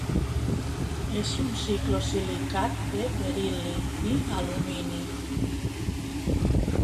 És un ciclosilicat de beril·li i alumini.